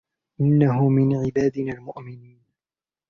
إنه من عبادنا المؤمنين